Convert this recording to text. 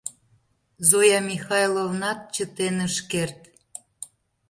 Зоя Михайловнат чытен ыш керт.